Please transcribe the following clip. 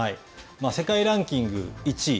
世界ランキング１位。